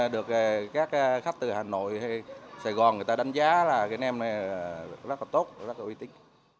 được các khách từ hà nội hay sài gòn người ta đánh giá là cái nem này rất là tốt rất là uy tín